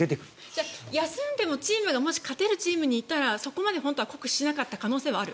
じゃあ休んでも、チームがもし勝てるチームにいたらそこまで酷使しなかった可能性はある？